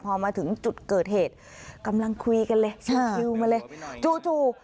พอมาถึงจุดเกิดเหตุกำลังคุยกันเลยชิวมาเลยจู่จู่